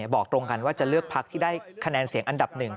บอกตรงกันว่าจะเลือกพักที่ได้คะแนนเสียงอันดับหนึ่ง